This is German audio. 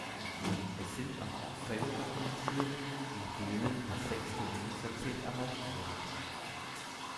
Es sind aber auch Fälle dokumentiert, in denen das sechste Lebensjahrzehnt erreicht wurde.